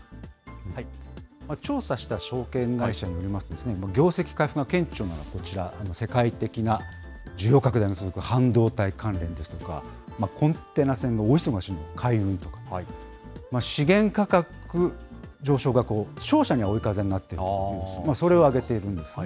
調査した証券会社によりますと、業績回復が顕著なのはこちら、世界的な需要拡大が続く半導体関連ですとか、コンテナ船が大忙しの海運とか、資源価格上昇が商社には追い風になっているという、それを挙げているんですね。